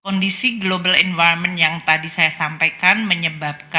kondisi global environment yang tadi saya sampaikan menyebabkan